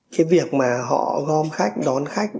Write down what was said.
cái việc mà họ gom khách đón khách